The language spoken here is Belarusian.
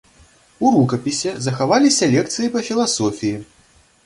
У рукапісе захаваліся лекцыі па філасофіі.